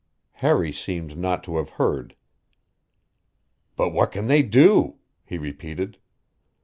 Harry seemed not to have heard. "But what can they do?" he repeated.